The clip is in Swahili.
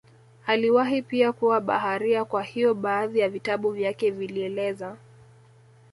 Aliwahi pia kuwa baharia kwa hiyo baadhi ya vitabu vyake vilieleza